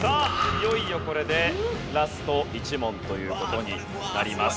いよいよこれでラスト１問という事になります。